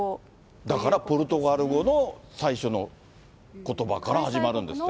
だからポルトガル語の最初のことばから始まるんですって。